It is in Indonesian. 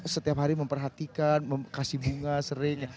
setiap hari memperhatikan kasih bunga sering